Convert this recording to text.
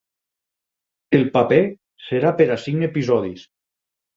El paper serà per a cinc episodis.